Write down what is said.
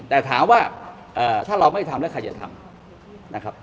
แต่ถามว่าถ้าเราไม่ทำแล้วใครจะทำนะครับ